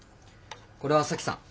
これは沙樹さん。